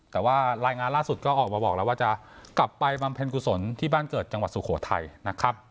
แต่ว่ารายงานล่าสุดก็ออกมาบอกแล้วว่าจะกลับไปบำเพ็ญกุศลที่บ้านเกิดจังหวัดสุโขทัยนะครับ